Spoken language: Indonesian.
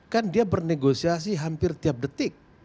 kan dia bernegosiasi hampir tiap detik